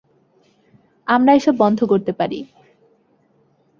আমরা এসব বন্ধ করতে পারি।